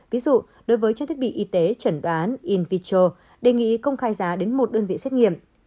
ví dụ đối với trang thức bị y tế trần đoán invitro đề nghị công khai giá đến một đơn vị xét nghiệm